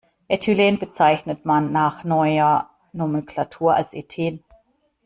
Äthylen bezeichnet man nach neuer Nomenklatur als Ethen.